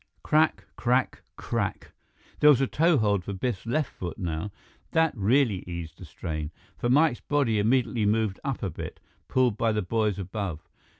Crack crack crack There was a toehold for Biff's left foot now. That really eased the strain, for Mike's body immediately moved up a bit, pulled by the boys above.